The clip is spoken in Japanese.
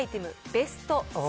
ベスト３。